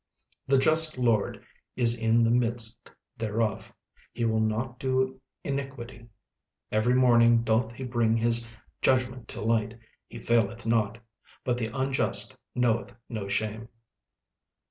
36:003:005 The just LORD is in the midst thereof; he will not do iniquity: every morning doth he bring his judgment to light, he faileth not; but the unjust knoweth no shame.